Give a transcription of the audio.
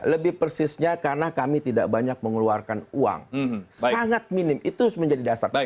lebih persisnya karena kami tidak banyak mengeluarkan uang sangat minim itu menjadi dasar